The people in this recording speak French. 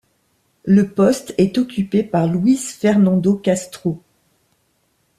Le poste est occupé par Luis Fernando Castro.